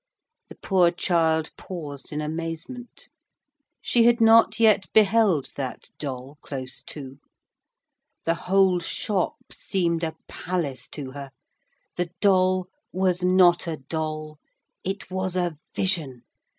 The poor child paused in amazement. She had not yet beheld that doll close to. The whole shop seemed a palace to her: the doll was not a doll; it was a vision.